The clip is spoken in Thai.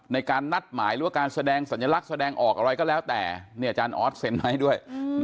ในการนัดหมายหรือว่าการแสดงสัญลักษณ์แสดงออกอะไรก็แล้วแต่เนี่ยอาจารย์ออสเซ็นให้ด้วย